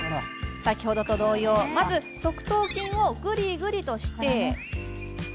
先ほどと同様まず側頭筋をぐりぐりして。